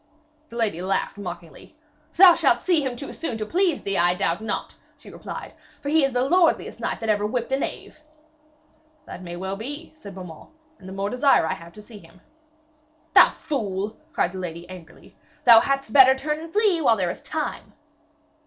The lady laughed mockingly. 'Thou shalt see him too soon to please thee, I doubt not,' she replied, 'for he is the lordliest knight that ever whipped a knave.' 'That may well be,' said Beaumains, 'and the more desire I have to see him.' 'Thou fool!' cried the lady angrily. 'Thou hadst better turn and flee while there is time.'